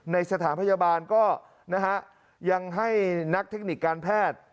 ในสถานพยาบาลก็นะฮะยังให้นักเทคนิคการแพทย์